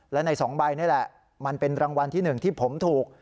และใน๒ใบนี่แหละมันเป็นรางวัลที่๑ที่ผมถูก